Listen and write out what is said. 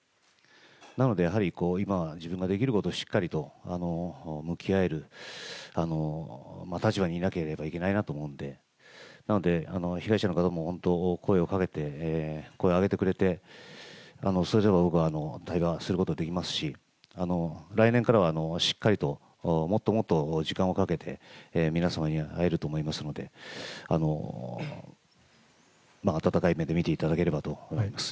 なので、やはり今、自分ができることをしっかりと向き合える立場にいなければいけないなと思うんで、なので、被害者の方も本当、声をかけて、声を上げてくれて、それぞれ僕は対話することができますし、来年からはしっかりと、もっともっと時間をかけて、皆様に会えると思いますので、温かい目で見ていただければと思います。